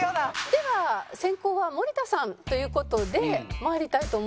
では先攻は森田さんという事で参りたいと思いますが。